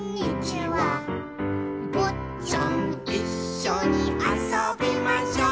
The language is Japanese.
「ぼっちゃんいっしょにあそびましょう」